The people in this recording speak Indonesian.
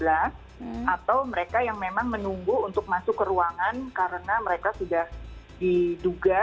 atau mereka yang memang menunggu untuk masuk ke ruangan karena mereka sudah diduga